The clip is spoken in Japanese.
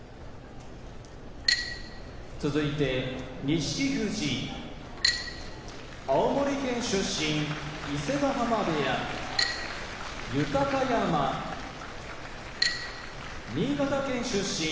錦富士青森県出身伊勢ヶ濱部屋豊山新潟県出身